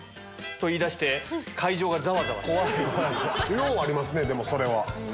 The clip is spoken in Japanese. ようありますねそれは。